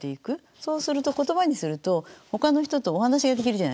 そうすると言葉にするとほかの人とお話ができるじゃないですか。